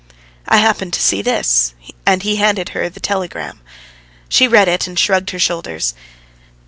"I happened to see this;" and he handed her the telegram. She read it and shrugged her shoulders.